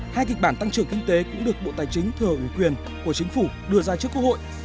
hai kịch bản tăng trưởng kinh tế cũng được bộ tài chính thờ ủy quyền của chính phủ đưa ra trước quốc hội